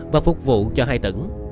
và phục vụ cho hai tửng